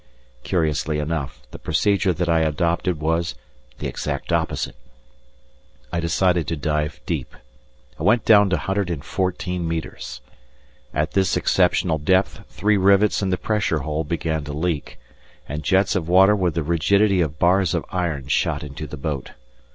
Curiously enough, the procedure that I adopted was the exact opposite. I decided to dive deep. I went down to 114 metres. At this exceptional depth, three rivets in the pressure hull began to leak, and jets of water with the rigidity of bars of iron shot into the boat.